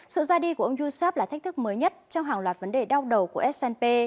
sự ra đi của ông yousap là thách thức mới nhất trong hàng loạt vấn đề đau đầu của snp